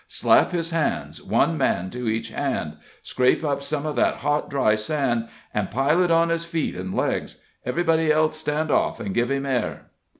Slap his hands, one man to each hand. Scrape up some of that hot, dry sand, and pile it on his feet and legs. Everybody else stand off and give him air."